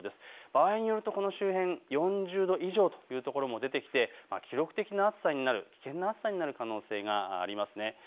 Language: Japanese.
場合によるとこの周辺、４０度以上というところも出てきて記録的な暑さになる、危険な暑さになる可能性があります。